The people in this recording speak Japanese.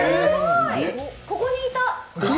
ここにいた！